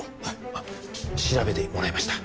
あっ調べてもらいました。